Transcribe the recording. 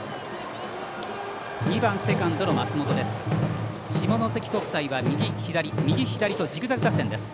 ２番セカンドの松本です。